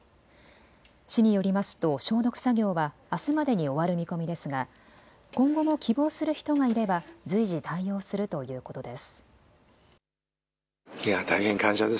市によりますと消毒作業はあすまでに終わる見込みですが今後も希望する人がいれば随時対応するということです。